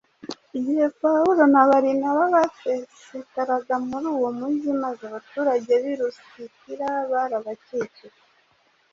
Igihe Pawulo na Barinaba basesekaraga muri uwo mujyi maze abaturage b’i Lusitira barabakikije,